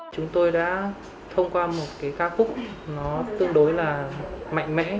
chúng tôi đã thông qua một ca khúc tương đối mạnh mẽ vui nhộn